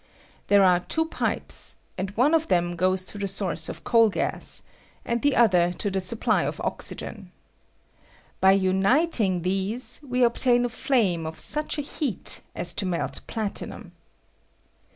There are two pipes, and one of them goes to the source of coal gas, and the other to the supply of oxygen. By nniting these we obtain a flame of such a heat as to melt platinum.